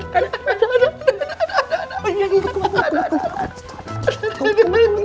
masa sudah saya itu seneng mohon maaf